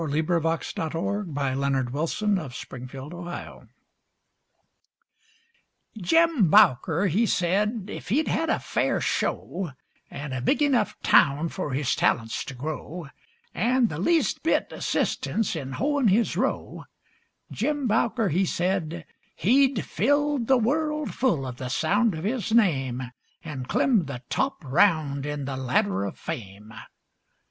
JM Embroideries & Collectibles Then Ag'in By Sam Walter Foss Jim Bowker, he said, ef he'd had a fair show, And a big enough town for his talents to grow, And the least bit assistance in hoein' his row, Jim Bowker, he said, He'd filled the world full of the sound of his name, An' clim the top round in the ladder of fame.